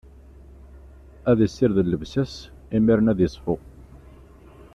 Ad issired llebsa-s, imiren ad iṣfu.